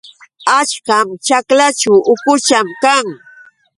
Achkam ćhaklaćhu ukucha kan.